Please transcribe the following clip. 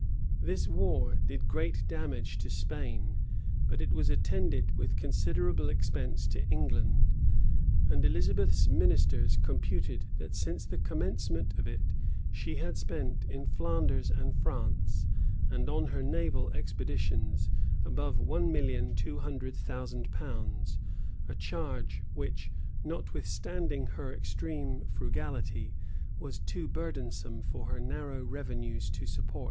{1593.} This war did great damage to Spain; but it was attended with considerable expense to England; and Elizabeth's ministers computed, that since the commencement of it, she had spent in Flanders and France, and on her naval expeditions, above one million two hundred thousand pounds;[] a charge which, notwithstanding her extreme frugality, was too burthensome for her narrow revenues to support.